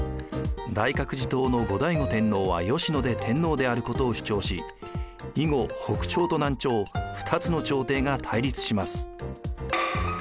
大覚寺統の後醍醐天皇は吉野で天皇であることを主張し以後北朝と南朝二つの朝廷が対立します。